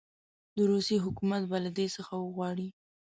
د روسیې حکومت به له ده څخه وغواړي.